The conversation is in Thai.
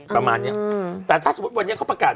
ประมาณเนี้ยอืมแต่ถ้าสมมุติวันนี้เขาประกาศ